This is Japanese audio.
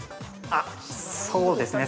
◆あっ、そうですね。